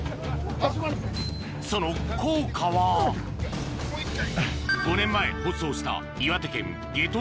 その効果は５年前放送した岩手県夏